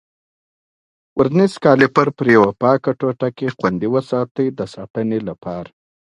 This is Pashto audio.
ورنیز کالیپر پر یوه پاکه ټوټه کې خوندي وساتئ د ساتنې لپاره.